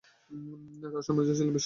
তার সাম্রাজ্য ছিল বিশ্বজুড়ে।